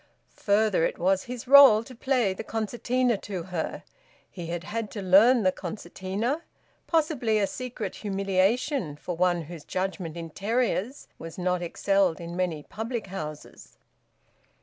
Further, it was his role to play the concertina to her: he had had to learn the concertina possibly a secret humiliation for one whose judgement in terriers was not excelled in many public houses.